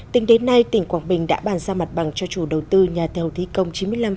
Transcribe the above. tính đến nay tỉnh quảng bình đã bàn giao mặt bằng cho chủ đầu tư nhà tàu thi công chín mươi năm một mươi ba